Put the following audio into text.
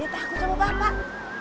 hati hati aku sama bapak